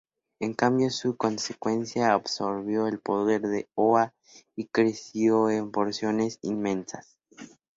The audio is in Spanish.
En cambio, su consciencia absorbió el poder de Oa y creció en proporciones inmensas.